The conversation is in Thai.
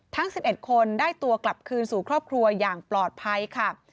ทั้ง๑๑คนได้ตัวกลับคืนสู่ครอบครัวอย่างปลอดภัยค่ะ